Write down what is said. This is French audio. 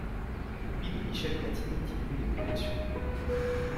Une groupie de Michel Platini diminue des promotions.